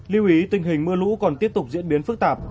lưu ý tình hình mưa lũ còn tiếp tục diễn biến phức tạp